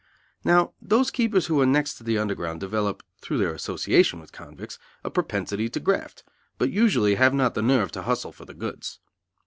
Now those keepers who are next to the Underground develop, through their association with convicts, a propensity to graft, but usually have not the nerve to hustle for the goods.